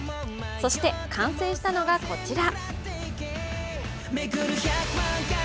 そして完成したのが、こちら。